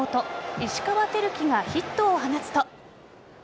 石川瑛貴がヒットを放つと。